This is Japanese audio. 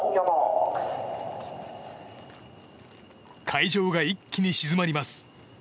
会場が一気に静まります。